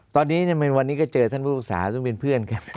ตอนนี้วันนี้ก็เจอท่านผู้ปรึกษาซึ่งเป็นเพื่อนกัน